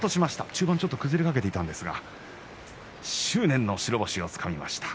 中盤、崩れかけていたんですが執念の白星をつかみました。